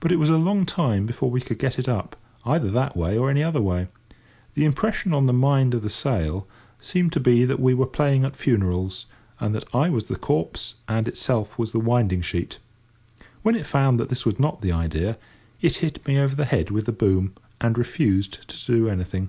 But it was a long time before we could get it up, either that way or any other way. The impression on the mind of the sail seemed to be that we were playing at funerals, and that I was the corpse and itself was the winding sheet. When it found that this was not the idea, it hit me over the head with the boom, and refused to do anything.